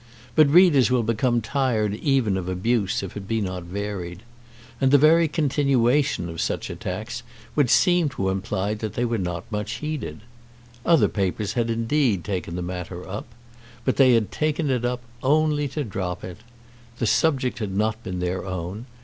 But readers will become tired even of abuse if it be not varied. And the very continuation of such attacks would seem to imply that they were not much heeded. Other papers had indeed taken the matter up, but they had taken it up only to drop it. The subject had not been their own.